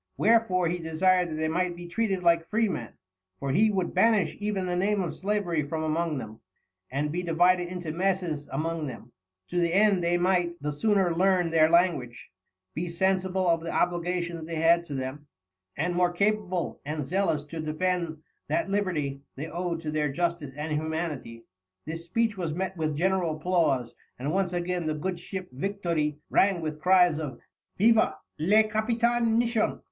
Wherefore, he desired they might be treated like Freemen (for he wou'd banish even the Name of Slavery from among them) and be divided into Messes among them, to the end they might the sooner learn their language, be sensible of the Obligations they had to them, and more capable and zealous to defend that Liberty they owed to their Justice and Humanity." This speech was met with general applause, and once again the good ship Victoire rang with cries of "Vive le Capitaine Misson!"